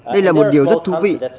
đây là một điều rất thú vị